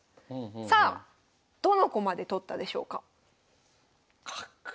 さあどの駒で取ったでしょうか？